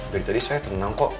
dari tadi saya tenang kok